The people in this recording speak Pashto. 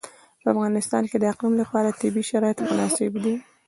په افغانستان کې د اقلیم لپاره طبیعي شرایط مناسب دي.